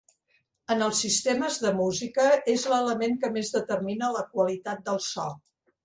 En els sistemes de música és l'element que més determina la qualitat del so.